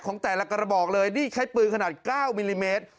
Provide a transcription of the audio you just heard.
ของแต่ละกระบอกเลยนี่ใช้ปืนขนาด๙มิลลิเมตร